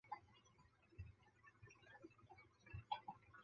宋初蓟州渔阳人。